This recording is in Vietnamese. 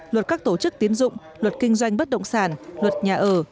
luật các tổ chức tiến dụng luật kinh doanh bất động sản luật nhà ở